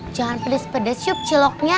jangan pedes pedes yuk ciloknya